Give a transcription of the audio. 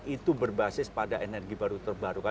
itu berbasis pada energi baru terbarukan